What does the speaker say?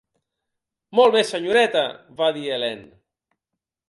"Molt bé, senyoreta", va dir Helene.